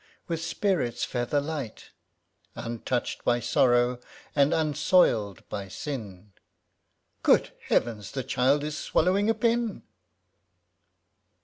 With spirits feather light, Untouch'd by sorrow, and unsoil'd by sin ŌĆö (Good heavens ! the child is swallowing a pin